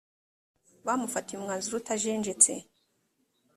bamufatiye umwanzuro utajenjetse